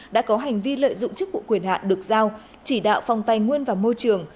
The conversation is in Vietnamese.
đã có hành vi lợi dụng chức vụ quyền hạn được giao chỉ đạo phòng tài nguyên và môi trường